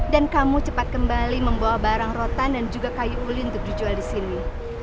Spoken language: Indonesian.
dan kamu cepat kembali membawa barang rotan dan juga kayu uli untuk dijual di sini